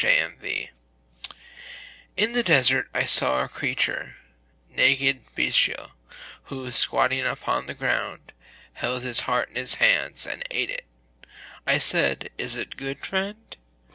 III In the desert I saw a creature, naked, bestial, who, squatting upon the ground, Held his heart in his hands, And ate of it. I said, "Is it good, friend?"